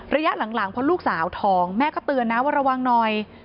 ระยะหลังเพราะลูกสาวท้องแม่ก็เตือนนะว่าระวังหน่อย